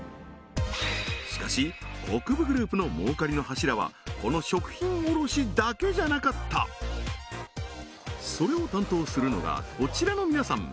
しかし国分グループの儲かりの柱はこの食品卸だけじゃなかったそれを担当するのがこちらの皆さん